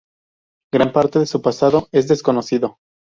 Gran parte de su pasado es desconocido.